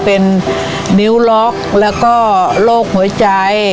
เป็นนิ้วล็อกแล้วก็โรคหัวใจ